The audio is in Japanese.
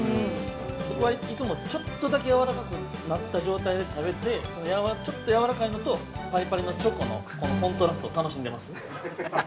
◆僕は、いつもちょっとだけやわらかくなった状態で食べてちょっとやわらかいのとパリパリのチョコのこのコントラストを楽しんでます。